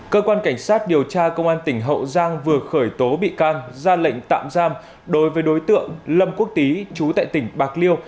cơ quan cảnh sát điều tra công an tỉnh hậu giang vừa khởi tố bị can ra lệnh tạm giam đối với đối tượng lâm quốc tý chú tại tỉnh bạc liêu